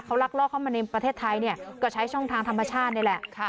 ลักลอกเข้ามาในประเทศไทยเนี่ยก็ใช้ช่องทางธรรมชาตินี่แหละ